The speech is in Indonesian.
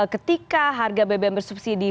ketika harga beban subsidi